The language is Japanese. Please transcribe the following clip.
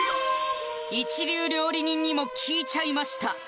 一流料理人にも聞いちゃいました